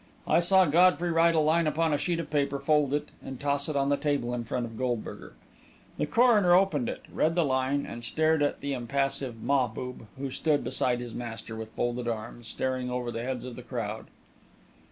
I saw Godfrey write a line upon a sheet of paper, fold it, and toss it on the table in front of Goldberger. The coroner opened it, read the line, and stared at the impassive Mahbub, who stood beside his master with folded arms, staring over the heads of the crowd.